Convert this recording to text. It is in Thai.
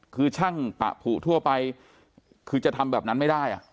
คือช่างปะผูทั่วไปคือจะทำแบบนั้นไม่ได้